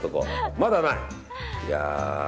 まだない？